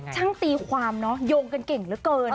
ตีความเนอะโยงกันเก่งเหลือเกิน